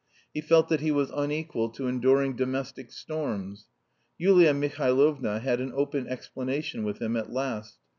He felt that he was unequal to enduring domestic storms. Yulia Mihailovna had an open explanation with him at last.